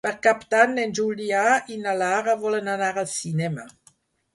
Per Cap d'Any en Julià i na Lara volen anar al cinema.